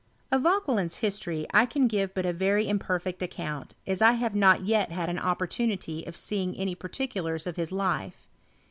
Of Vauquelin's history I can give but a very im perfect account, as I have not yet had an opportu nity of seeing any particulars of his life.